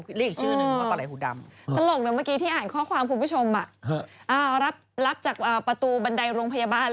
ทลกเนี่ยเมื่อกี้ที่อ่านข้อความคุณผู้ชมรับจากประตูบันไดโรงพยาบาล